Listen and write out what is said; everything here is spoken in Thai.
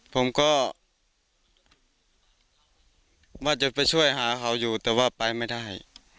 ผมก็ว่าจะไปช่วยหาเขาอยู่แต่ว่าไปไม่ได้